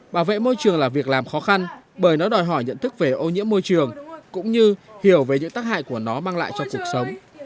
bảo vệ môi trường là việc làm khó khăn bởi nó đòi hỏi nhận thức về ô nhiễm môi trường cũng như hiểu về những tác hại của nó mang lại cho cuộc sống